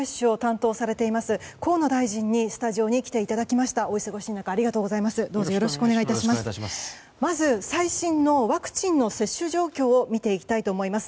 まず最新のワクチンの接種状況を見ていきたいと思います。